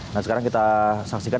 nah sekarang kita saksikan